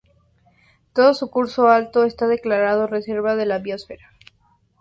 Todo su curso alto está declarado Reserva de la Biosfera.